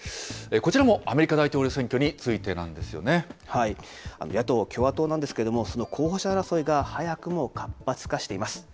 こちらもアメリカ大統領選挙についてなんですよね。野党・共和党なんですけれども、その候補者争いが早くも活発化しています。